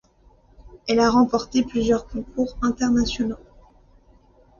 Elle a remporté plusieurs concours internationaux.